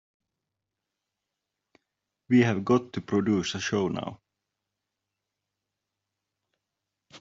We've got to produce a show now.